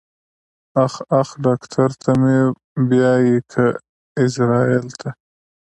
اخ اخ ډاکټر ته مې بيايې که ايزرايل ته.